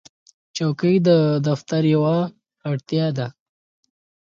چوکۍ د دفتر یوه اړتیا ده.